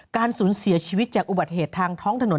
การสูญเสียชีวิตจากอุบัติเหตุทางท้องถนน